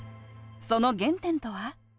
その原点とは？